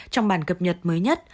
trong bản cập nhật